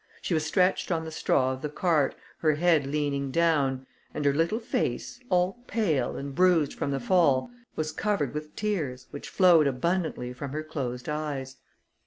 She was stretched on the straw of the cart, her head leaning down, and her little face, all pale, and bruised from the fall, was covered with tears, which flowed abundantly from her closed eyes.